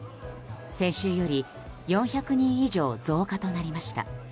先週より４００人以上増加となりました。